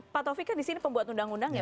pak taufik kan di sini pembuat undang undang ya